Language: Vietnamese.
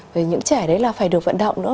về những trẻ đấy là phải được vận động nữa